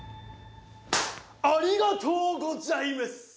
ありがとうございます